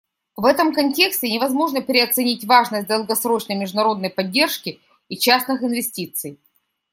В этом контексте невозможно переоценить важность долгосрочной международной поддержки и частных инвестиций.